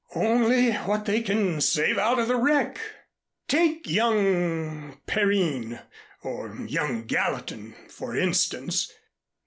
"Only what they can save out of the wreck. Take young Perrine or young Gallatin, for instance.